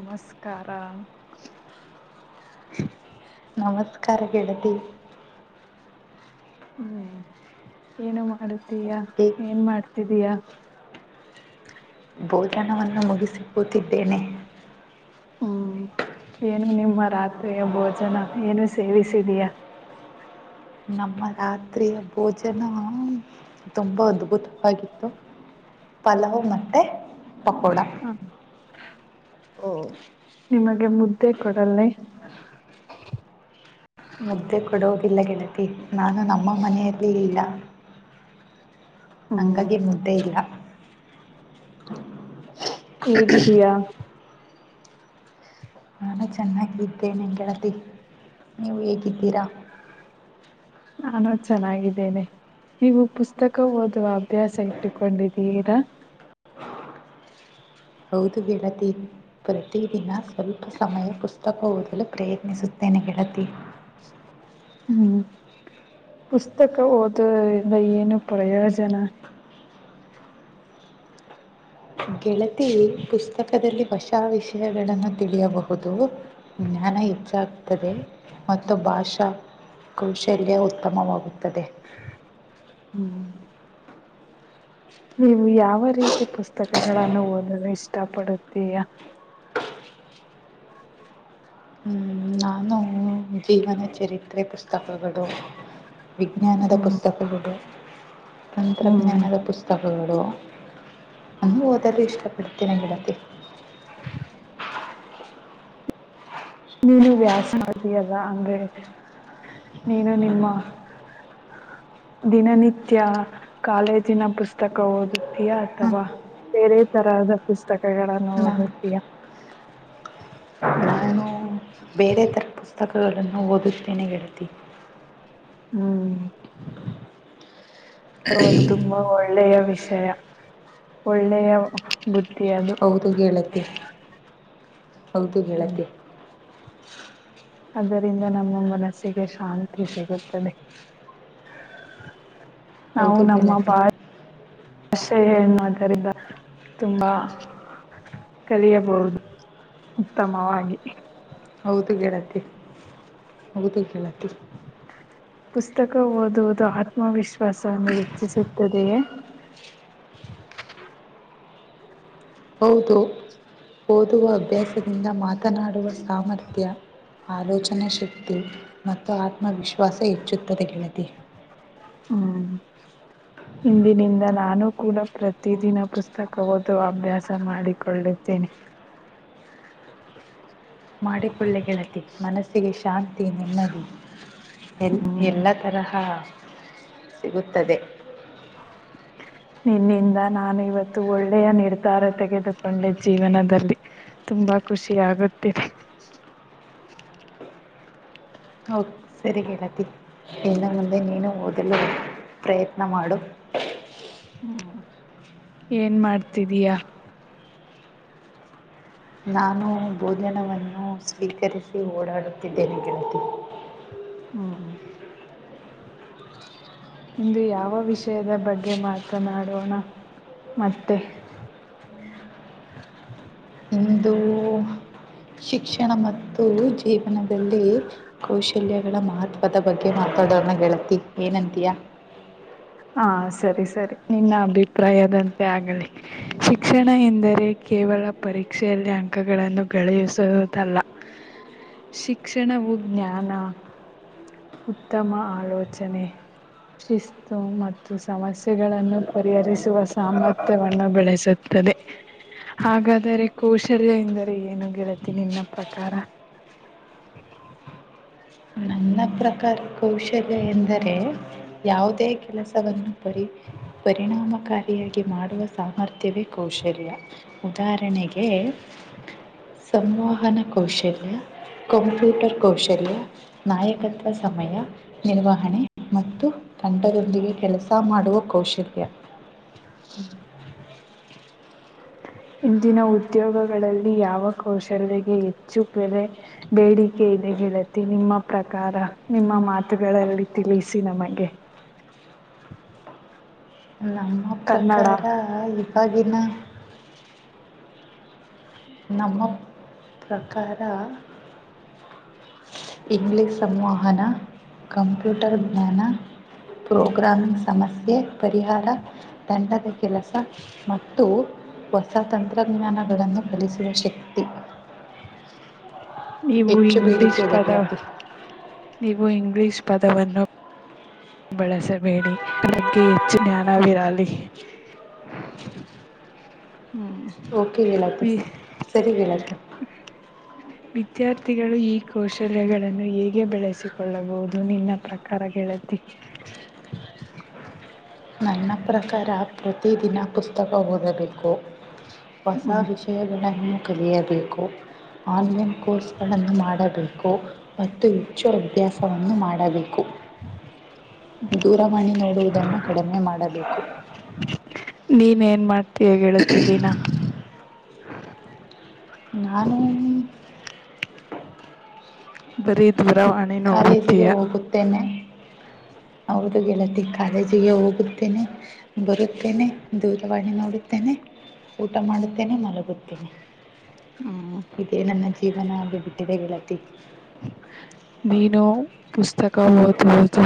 ನಮಸ್ಕಾರ. ನಮಸ್ಕಾರ ಗೆಳತಿ. ಹ್ಮ್ ಏನು ಮಾಡತೀಯ ಈಗ ಏನ್ ಮಾಡ್ತಿದೀಯ. ಭೋಜನವನ್ನು ಮುಗಿಸಿ ಕೂತಿದ್ದೇನೆ. ಹ್ಮ್ ಏನು ನಿಮ್ಮ ರಾತ್ರಿಯ ಭೋಜನ ಏನು ಸೇವಿಸಿದಯಾ. ನಮ್ಮ ರಾತ್ರಿಯ ಭೋಜನ ತುಂಬಾ ಅದ್ಭುತವಾಗಿತ್ತು. ಪಲವು ಮತ್ತೆ ಪಕೋಡ. ಹ, ಓ ನಿಮಗೆ ಮುದ್ದೆ ಕೊಡಲ್ಲೆ. ಮುದ್ದೆ ಕೊಡೊದಿಲ್ಲ ಗೆಳತಿ ನಾನು ನಮ್ಮ ಮನೆಯಲ್ಲಿ ಇಲ್ಲ. ಹ್ಮ್ ಹಂಗಾಗಿ ಮುದ್ದೆ ಇಲ್ಲ. ಹೇಗಿದಿಯಾ. ನಾನು ಚೆನ್ನಾಗಿದ್ದೆನೆ ಗೆಳತಿ ನೀವು ಹೇಗಿದ್ದೀರಾ. ನಾನು ಚೆನ್ನಾಗಿದ್ದೇನೆ. ನೀವು ಪುಸ್ತಕ ಓದುವ ಅಭ್ಯಾಸ ಇಟ್ಟುಕೊಂಡಿದ್ದೀರಾ. ಹೌದು ಗೆಳತಿ ಪ್ರತಿದಿನ ಸ್ವಲ್ಪ ಸಮಯ ಪುಸ್ತಕ ಓದಲು ಪ್ರಯತ್ನಿಸುತ್ತೇನೆ. ಎನ್ ಗೆಳತಿ. ಹ್ಮ್ ಪುಸ್ತಕ ಓದುವರಿಂದ ಏನು ಪ್ರಯೋಜನ. ಗೆಳತಿ ಪುಸ್ತಕದಲ್ಲಿ ವಶಾ ವಿಷಯಗಳನ್ನು ತಿಳಿಯಬಹುದು. ಜ್ಞಾನ ಹೆಚ್ಚಗು. ತ್ತದೆ ಮತ್ತು ಭಾಷಾ ಕೌಶಲ್ಯ ಉತ್ತಮವಾಗುತ್ತದೆ. ಹ್ಮ್. ನೀವು ಯಾವ ರೀತಿ ಪುಸ್ತಕಗಳನ್ನು ಓದಲು ಇಷ್ಟಪಡುತ್ತೀಯಾ. ಹ್ಮ್, ನಾನು ಜೀವನ ಚರಿತ್ರೆ ಪುಸ್ತಕಗಳು ವಿಜ್ಞಾನದ ಹ್ಮ್ ಪುಸ್ತಕಗಳು. ಹ್ಮ್ ತಂತ್ರಜ್ಞಾನದ ಪುಸ್ತಕಗಳು ಅಂದು ಓದಲು ಇಷ್ಟಪಡ್ತಾರೆ ತಿನಗಿಡುತ್ತ [unintelligible] ನೀನು ವ್ಯಾಸ ಮಾಡತ ಅದ ಅಂಗ ನೀನು ನಿಮ್ಮ ದಿನನಿತ್ಯ ಕಾಲೇಜಿನ ಪುಸ್ತಕ ಓದುತ್ತೀಯಾ ಹ ಅಥವಾ ಬೇರೆ ತರ ಪುಸ್ತಕಗಳನ್ನು ನಾನು ಓದುತ್ತಯಾ ನಾನು ಬೇರೆ ಥರ ಪುಸ್ತಕಗಳನ್ನು ಓದುತ್ತೇನೆ ಗೆಳತಿ ಹ್ಮ್ ತುಂಬಾ ಒಳ್ಳೆಯ ವಿಷಯ ಒಳ್ಳೆಯ ಬುದ್ಧಿ ಅದು ಹೌದು ಗೆಳತಿ ಹೌದು ಗೆಳತಿ ಆದದರಿಂದ ನಮ್ಮ ಮನಸ್ಸಿಗೆ ಶಾಂತಿ ಸಿಗುತ್ತದೆ ನಾವು ಹೌದು ನಮ್ಮ ಗೆಳತಿ ಭಾರ ಅಷೆ ಏನ್ ಮಾತರಿ ತುಂಬಾ ಕಲಿಯಬಹುದು ಉತ್ತಮವಾಗಿ ಹೌದು ಗೇಳತಿ ಹೌದು ಕೇಳತಿ ಪುಸ್ತಕ ಓದುವುದು ಆತ್ಮವಿಶ್ವಾಸವನ್ನು ಹೆಚ್ಚಿಸುತ್ತದೆಯೇ [unintelligible] ಹೌದು ಓದುವ ಅಭ್ಯಾಸದಿಂದ ಮಾತನಾಡುವ ಸಾಮರ್ಥ್ಯ ಆಲೋಚನಾ ಶಕ್ತಿ ಮತ್ತು ಆತ್ಮವಿಶ್ವಾಸ ಹೆಚ್ಚುತ್ತದೆ ಗೆಳತಿ ಹ್ಮ್ ಇಂದಿನಿಂದ ನಾನು ಕೂಡ ಪ್ರತಿದಿನ ಪುಸ್ತಕ ಓದುವ ಅಭ್ಯಾಸ ಮಾಡಿಕೊಳ್ಳಿದ್ದೇನೆ [unintelligible] ಮಾಡಿಕೊಳ್ಳೆ ಗೆಳತಿ ಮನಸ್ಸಿಗೆ ಶಾಂತಿ ನೆಮ್ಮದಿ ಎ ಹ್ಮ್ ಎಲ್ಲ ತರಹ ಸಿಗುತ್ತದೆ [unintelligible] ನಿನ್ನಿಂದ ನಾನು ಇವತ್ತು ಒಳ್ಳೆಯ ನಿರ್ಧಾರ ತೆಗೆದುಕೊಂಡೆ ಜೀವನದಲ್ಲಿ ತುಂಬಾ ಖುಷಿ ಆಗುತ್ತಿದೆ ಹ ಸರಿ ಲಾತಿ ಇನ್ನ ಮುಂದ ನೀನು ಓದಲ್ಲ ಪ್ರಯತ್ನ ಮಾಡು ಹ್ಮ ಏನ್ ಮಾಡ್ತಿದಯಾ ನಾನು ಭೋಜನವನ್ನು ಸ್ವೀಕರಿಸಿ ಓಡಾಡುತ್ತಿದ್ದೇನೆ ಗೆಳತಿ ಹ್ಮ ಇಂದು ಯಾವ ವಿಷಯದ ಬಗ್ಗೆ ಮಾತನಾಡೋಣ ಮತ್ತೆ ಇಂದು ಶಿಕ್ಷಣ ಮತ್ತು ಜೀವನದಲ್ಲಿ ಕೌಶಲ್ಯಗಳ ಮಹತ್ವದ ಬಗ್ಗೆ ಮಾತಾಡೋರನ್ನ ಗೆಳತಿ ಏನಂತಯಾ ಹಾ ಸರಿ ಸರಿ ನಿನ್ನ ಅಭಿಪ್ರಾಯದಂತೆ ಆಗಲಿ ಶಿಕ್ಷಣ ಎಂದರೆ ಕ ಕೇವಲ ಪರೀಕ್ಷೆಯಲ್ಲಿ ಅಂಕಗಳನ್ನು ಗಳಿಸುವುದಲ್ಲ ಶಿಕ್ಷಣವು ಜ್ಞಾನ ಉತ್ತಮ ಆಲೋಚನೆ ಸ ಮತ್ತು ಸಮಸ್ಯೆಗಳನ್ನು ಪರಿಹರಿಸುವ ಸಾಮರ್ಥ್ಯವನ್ನು ಬೆಳೆಸುತ್ತದೆ ಹಾಗಾದರೆ ಕೌಶಲ್ಯ ಎಂದರೆ ಏನು ಗೆಳತಿ ನಿನ್ನ ಪ್ರಕಾರ [inaudible] ನನ್ನ ಪ್ರಕಾರ ಕೌಶಲ್ಯ ಎಂದರೆ ಯಾವುದೇ ಕೆಲಸ ಸ ಪ ಪರಿಣಾಮಕಾರ ಮಾಡುವ ಸಾಮರ್ಥ್ಯವೇ ಕೌಶಲ್ಯ ಉದಾಹರಣೆಗೆ ಸಂವಹನ ಕೌಶಲ್ಯ ಕಂಪ್ಯೂಟರ್ ಕೌಶಲ್ಯ ನಾಯಕ ತತ್ವ ಸಮಯ ನಿರ್ವಹಣೆ ಮತ್ತು ತಂಡದೊಂದಿಗೆ ಕೆಲಸ ಮಾಡುವ ಕೌಶಲ್ಯ ಹ್ಮ ಇಂದಿನ ಉದ್ಯೋಗಗಳಲ್ಲಿ ಯಾವ ಕೌಶಲ್ಯಗೆ ಹೆಚ್ಚು ಬೆಲೆ ಬೇಡಿಕೆ. ಹದೆ ಗೆಳತಿ ನಿಮ್ಮ ಪ್ರಕಾರ ನಿಮ್ಮ ಮಾತುಗಳಲ್ಲಿ ತಿಳಿಸಿ ನಮಗೆ. ಆ ಕನ್ನಡ ಪ್ರಕಾರ ಇವಾಗಿನ. ನಮ್ಮ ಪ್ರಕಾರ. ಇಂಗ್ಲಿಷ್ ಸಂವಹನ ಕಂಪ್ಯೂಟರ್ ಜ್ಞಾನ. ಪ್ರೋಗ್ರಾಮಿಂಗ್ ಸಮಸ್ಯೆ ಪರಿಹಾರ ದಂಡದ ಕೆಲಸ ಮತ್ತು. ಹೊಸ ತಂತ್ರಜ್ಞಾನಗಳನ್ನು ಫಲಿಸುವ ಶಕ್ತಿ. [inaudible] ನೀವು ಹೆಚ್ಚು ಇಂಗ್ಲಿಷ್ ಬೇಡಿಕೆ ಇದೆ ಪದ ಗೆಳತಿ ನೀವು ಇಂಗ್ಲಿಷ್ ಪದವನ್ನು ಬಳಸಬೇಡಿ ನನ್ನ ಬಗ್ಗೆ ಹೆಚ್ಚು ಜ್ಞಾನವಿರಲಿ. [inaudible] ಹ್ಮ್ ಓಕೆ ಗೆಳತಿ ವಿ ಸರಿ ಗೆಳತಿ ವಿದ್ಯಾರ್ಥಿಗಳು ಈ ಕೌಶಲ್ಯಗಳನ್ನು ಹೇಗೆ ಬೆಳೆಸಿಕೊಳ್ಳಬಹುದು ನಿನ್ನ ಪ್ರಕಾರ. ಗೆಳತಿ ನನ್ನ ಪ್ರಕಾರ ಪ್ರತಿದಿನ ಪುಸ್ತಕ ಓದಬೇಕು ಹೊಸ ಹ್ಮ್ ವಿಷಯಗಳನ್ನ ಇನ್ನೂ ಕಲಿಯಬೇಕು ಆನ್ಲೈನ್ ಕೋರ್ಸ್ಗಳನ್ನು ಮಾಡಬೇಕು ಮತ್ತು ಹೆಚ್ಚು ಅಭ್ಯಾಸವನ್ನು ಮಾಡಬೇಕು ಹ್ಮ [inaudible] ದೂರವಾಣಿ ನೋಡುವುದನ್ನು ಕಡಿಮೆ ಮಾಡಬೇಕು ನೀನ್ ಏನ್ ಮಾಡ್ತೀಯ ಹೇಳತಿದ್ದೀನ ನಾನು ಬರೀ ದೂರವಾಣಿ ನೋಡತೀಯ ಕಾಲೇಜಿಗೆ ಅವ್ರ್ದ ಗೆಳತಿ ಕಾಲೇಜಿಗೆ ಹೋಗುತ್ತೇನೆ ಬರುತ್ತೇನೆ ದೂರವಾಣಿ ನೋಡುತ್ತೇನೆ ಊಟ ಮಾಡುತ್ತೇನೆ ಮಲಗುತ್ತೇನೆ ಹ್ಮ್ ಇದೇ ನನ್ನ ಜೀವನ ಹಾಗೆ ಬಿಟ್ಟಿದೆ ಗೆಳತಿ ನೀನು ಪುಸ್ತಕ ಓದು ಓದು.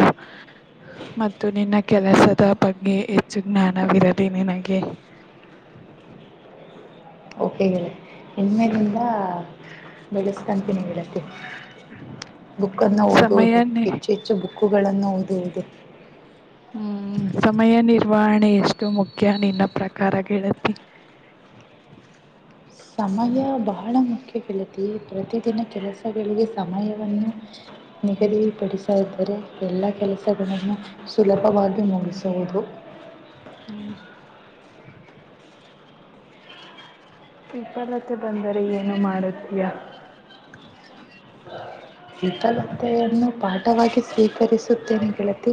ಮತ್ತು ನಿನ್ನ ಕೆಲಸದ ಬಗ್ಗೆ ಹೆಚ್ಚು ಜ್ಞಾನವಿರಲಿ ನಿನಗೆ. [unintelligible] ಓಕೆ ಗೆಳತಿ ಇನ್ಮೇಲಿಂದ ಬೆಳೆಸ್ಕಂತೀನಿ ಗೆಳತಿ. ಬುಕ್ಕನ್ನು ಸಮಯ ಓದುವುದು ಹೆಚ್ಚು ಹೆಚ್ಚು ಬುಕ್ಕುಗಳನ್ನು ಓದುವುದು. ಹ್ಮ್ ಸಮಯ ನಿರ್ವಹಣೆ. ಎಷ್ಟು ಮುಖ್ಯ ನಿನ್ನ ಪ್ರಕಾರ ಗೆಳತಿ. ಸಮಯ ಬಹಳ ಮುಖ್ಯ ಗೆಳತಿ ಪ್ರತಿದಿನ ಕೆಲಸ. ಗಳಿಗೆ ಸಮಯವನ್ನು ನಿಗದಿಪಡಿಸಿದರೆ ಎಲ್ಲ ಕೆಲಸಗಳನ್ನು. ಸುಲಭವಾಗಿ ಮುಗಿಸುವುದು. ಹ್ಮ್ ವಿಫಲತೆ ಬಂದರೆ ಏನು ಮಾಡತೀಯಾ. ವಿಫಲತೆಯನ್ನು ಪಾಠವಾಗಿ ಸ್ವೀಕರಿಸುತ್ತೇನೆ ಗೆಳತಿ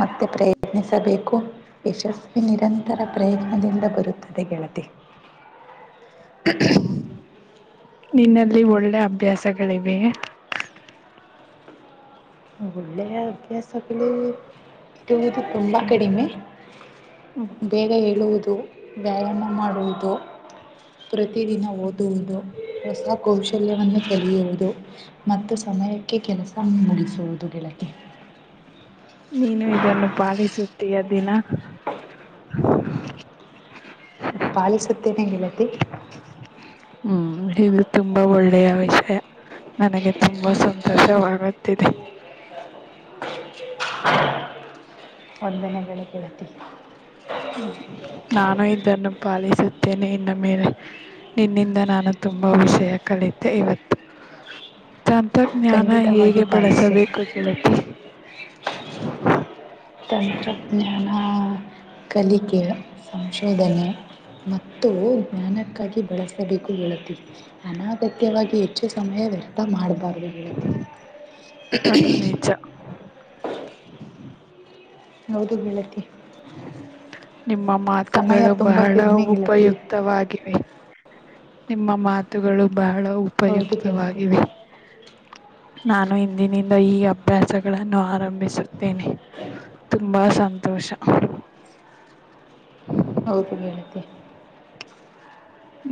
ಮತ್ತೆ ಪ್ರಯತ್ನಿಸಿ. ಬೇಕು ಯಶಸ್ವಿ ನಿರಂತರ ಪ್ರಯತ್ನದಿಂದ ಬರುತ್ತದೆ ಗೆಳತಿ. ಹ್ಮ್ ನಿನ್ನಲ್ಲಿ ಒಳ್ಳೆ ಅಭ್ಯಾಸಗಳಿವೆ. ಒಳ್ಳೆಯ ಅಭ್ಯಾಸಗಳು ಇವುದು ತುಂಬಾ ಕಡಿಮೆ. ಹ್ಮ್ ಬೇಗ ಹೇಳುವುದು ವ್ಯಾಯಾಮ ಮಾಡುವುದು ಪ್ರತಿದಿನ ಓದ. ಹೊಸ ಕೌಶಲ್ಯವನ್ನು ಕಲಿಯುವುದು ಮತ್ತು ಸಮಯಕ್ಕೆ ಕೆಲಸವನ್ನು ಮು ಮುಗಿಸುವುದು ಗೆಳತಿ. ನೀನು ಇದನ್ನು ಪಾಲಿಸುತ್ತೀಯ ದಿನ. ಪಾಲಿಸುತ್ತೇನೆ ಗೆಳತಿ ಹ್ಮ್ ಇದು ತುಂಬಾ ಒಳ್ಳೆಯ ವಿಷಯ. ನನಗೆ ತುಂಬಾ ಸಂತೋಷವಾಗುತ್ತಿದೆ. ವಂದನೆಗಳು ಗೆಳತಿ. ಹ್ಮ್ ನಾನು ಇದನ್ನು ಪಾಲಿಸುತ್ತೇನೆ ಇನ್ನು. ಮೇಲೆ ನಿನ್ನಿಂದ ನಾನು ತುಂಬಾ ವಿಷಯ ಕಲಿತೆ ಇವತ್ತು ತಂತಜ್ಞಾನ ಖಂಡಿತವಾಗಿ ಹೇಗೆ ಪಾಲಿಸಿ ಬಳಸಬೇಕು ಕೇಳತಿ ತಂತ್ರಜ್ಞಾನ ಕಲಿಕೆ ಸಂಶೋಧನೆ ಮತ್ತು ಜ್ಞಾನಕ್ಕಾಗಿ ಬಳಸಬೇಕು ಹೇಳತೀವಿ ಅನಗತ್ಯವಾಗಿ ಹೆಚ್ಚು ಸಮಯ ವ್ಯರ್ಥ ಮಾಡಬಾರ್ದು ಹೇಳತಿ ಹ ಹೌದು ಬೆಳತಿ ನಿಮ್ಮ ಸಮಯ ಮಾತುಗಳು ತುಂಬಾ ಬಹಳ ಕಡಿಮೆ ಗೆಳತಿ ಉಪಯುಕ್ತವಾಗಿವೆ ನಿಮ್ಮ ಮಾತುಗಳು ಬಹಳ ಹೌದು ಗೆಳತಿ ಉಪಯುಕ್ತವಾಗಿವೆ ನಾನು ಇಂದಿನಿಂದ ಈ ಅಭ್ಯಾಸ ಗಳನ್ನು ಆರಂಭಿಸುತ್ತೇನೆ ತುಂಬಾ ಸಂತೋಷ ಹ ಹೌದು ಹೇಳಿದ್ದೆ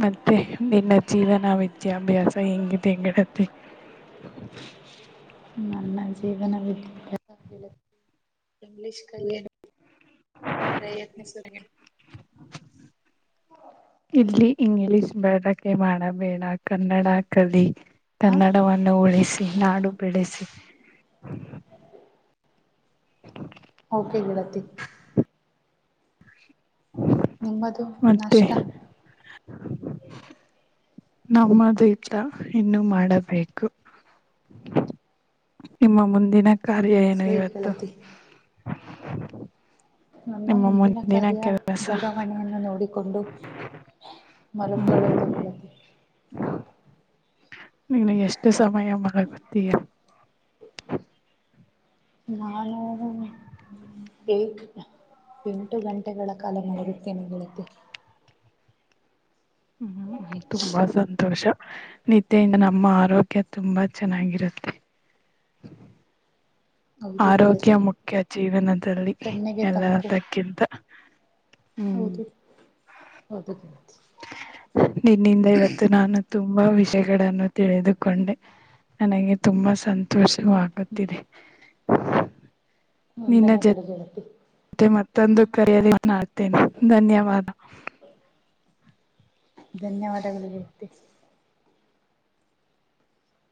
ಮತ್ತೆ ನಿನ್ನ ಜೀವನ ವಿದ್ಯಾಭ್ಯಾಸ ಹೆಂಗಿದೆ ಹೆಂಗಡತಿ ನನ್ನ ಜೀವನ ವಿಿದ್ಯಾಭ್ಯಾಸ ಇಂಗ್ಲಿೀಷ್ ಕಲ್ಯಾಣ ಪ್ರಯತ್ನ ಸ ಇಲ್ಲಿ ಇಂಗ್ಲಿಷ್ ಬಳಕೆ ಮಾಡಬೇಡ ಕನ್ನಡ ಕಲಿ ಹಾ ಕನ್ನಡವನ್ನು ಉಳಿಸಿ ನಾಡು ಬೆಳೆಸಿ ಓಕೆಂಗ ತಿ ನಿಮ್ಮದು ಮತ್ತೆ ನಷ್ಟ [unintelligible] ನಮ್ಮದು ಇಲ್ಲ ಇನ್ನುೂ ಮಾಡಬೇಕು ನಿಮ್ಮ ಮುಂದಿನ ಕಾರ್ಯ ಹ್ಮ್ ಏನು ಸರಿ ಇವತ್ತು ಗೆಳತಿ ನನ್ನ ನಿಮ್ಮ ಮುಂದಿನ ಕರ್ಯ ಕೆಲಸ ದೂರವಾಣಿಯನ್ನು ನೋಡಿಕೊಂಡು ಮಲ ಹ್ಮ್ ಕಳವದು ಬಲ್ಲತ್ತ ನಿ ಎಷ್ಟು ಸಮಯ ಮಾಗತ್ತೀಯ ನಾನು ಎಂಟು ಗಂಟೆಗಳ ಕಾಲ ನಗುತ್ತೇನೆ ಹೇಳತ್ತೆ ಹ್ಮ್್ಮ ತುಂಬಾ ಸಂತೋಷ ನಿದ್ದೆಯಿಂದ ನಮ್ಮ ಆರೋಗ್ಯ ತುಂಬಾ ಚೆನ್ನಾಗಿರುತ್ತೆ ಹೌದು ಆರೋಗ್ಯ ಗೆಳತಿ ಮುಖ್ಯ ಜೀವನದಲ್ಲಿ ಕಣ್ಣಿಗೆ ತಂಪು ಎಲ್ಲದಕ್ಕಿಂತ ಹ್ಮ್ ಹೌದು ಹೌದು ಗೆಳತಿ ನಿನ್ನಿಂದ ಇವತ್ತು ನಾನು ತುಂಬಾ ವಿಷ ವಿಷಯಗಳನ್ನು ತಿಳಿದುಕೊಂಡೆ ನನಗೆ ತುಂಬಾ ಸಂತೋಷವೂ ಆಗುತ್ತಿದೆ ಒಂದನೇ ಗಡೆಗೆಳತಿ ಮತ್ತೆ ಮತ್ತೊಂದು ಕರೆಯದಡ್ತೇನೆ ಧನ್ಯವಾದ ಧನ್ಯವಾದಗಳು ವ್ಯಕ್ತಿ